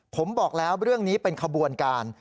ผมบอกแล้วเรื่องนี้เป็นขบวนการ